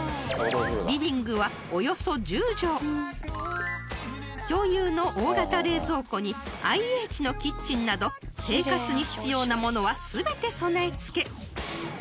［リビングはおよそ１０畳］［共有の大型冷蔵庫にＩＨのキッチンなど生活に必要なものは全て備え付け］